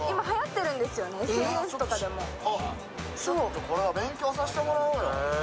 これは勉強させてもらおうよ。